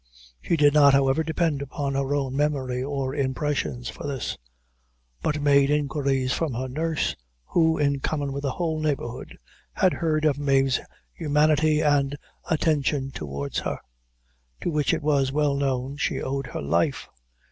She did not, however, depend upon her own memory or impressions for this, but made inquiries from her nurse, who, in common with the whole neighborhood, had heard of Mave's humanity and attention towards her, to which it was well known, she owed her life.